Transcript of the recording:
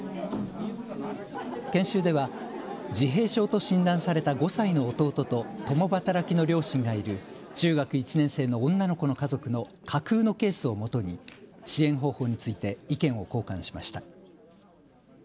研修では、自閉症と診断された５歳の弟と共働きの両親がいる中学１年生の女の子の家族の架空のケースをもとに支援方法について意見を交換しました。